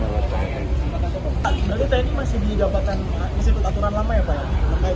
berarti tni masih di gabatan di situt aturan lama ya pak